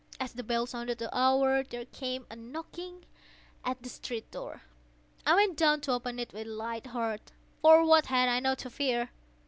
As the bell sounded the hour, there came a knocking at the street door. I went down to open it with a light heart,—for what had I now to fear?